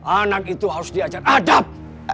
anak itu harus diajar adab